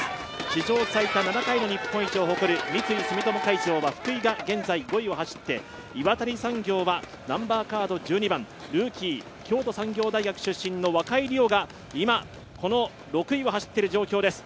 史上最多７回の日本一を誇る三井住友海上は福居が現在５位を走って岩谷産業は１２番ルーキー京都産業大学出身の若井莉央が今、６位を走っている状況です。